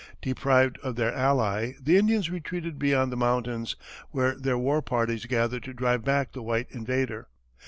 Deprived of their ally, the Indians retreated beyond the mountains, where their war parties gathered to drive back the white invader.